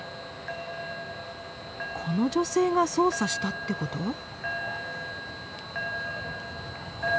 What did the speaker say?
この女性が操作したってこと？